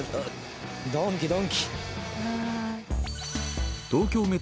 ドンキ、ドンキ！